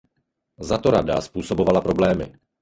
Zato Rada způsobovala problémy.